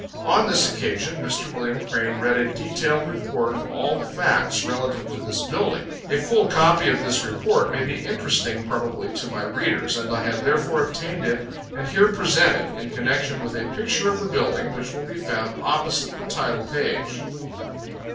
On this occasion Mr. Wm. Crane read a detailed report of all the facts relative to this building a full copy of this report may be interesting probably to my readers, and I have therefore obtained it, and here present it, in connection with a picture of the building, which will be found opposite the title page.